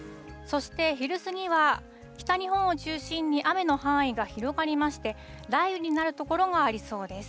そして昼過ぎは、北日本を中心に雨の範囲が広がりまして、雷雨になる所がありそうです。